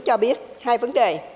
cho biết hai vấn đề